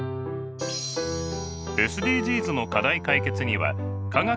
ＳＤＧｓの課題解決には科学の力が必要です。